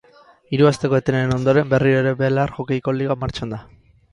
Hiru asteko etenaren ondoren berriro ere belar hockeyko liga martxan da.